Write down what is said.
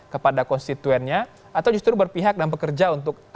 kepada konstituennya atau justru berpihak dan bekerja untuk